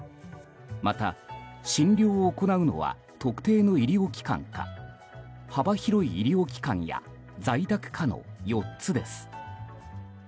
また、診療を行うのは特定の医療機関か幅広い医療機関や在宅かの４つです。